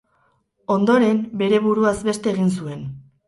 Ondoren, bere buruaz beste egin zuen.